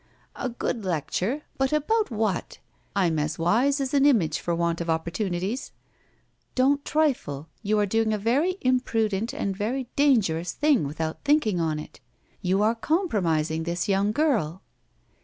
"A good lecture! But about what? I'm as wise as an image for want of opportunities." "Don't trifle! You are doing a very imprudent and very dangerous thing without thinking on it. You are compromising this young girl."